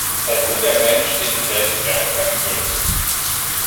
Sei du der Mensch, den du selbst gern treffen würdest.